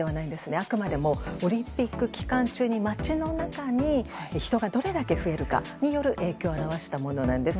あくまでもオリンピック期間中に街の中に人がどれだけ増えるかによる影響を表したものなんです。